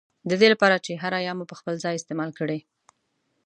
ددې له پاره چي هره ي مو پر خپل ځای استعمال کړې